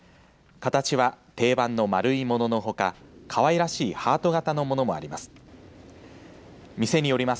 形は定番の丸いもののほかかわいらしいハート型のものもあります。